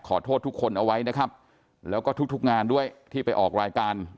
ขอโทษทุกคนเอาไว้นะครับแล้วก็ทุกทุกงานด้วยที่ไปออกรายการ